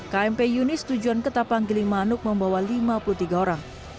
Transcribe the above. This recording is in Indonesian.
kmp yunis tujuan ketapang giling manuk membawa lima puluh tiga orang